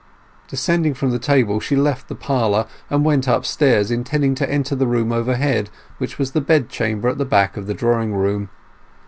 Descending from the table, she left the parlour, and went upstairs, intending to enter the room overhead, which was the bedchamber at the back of the drawing room.